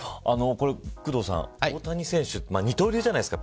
工藤さん、大谷選手は二刀流じゃないですか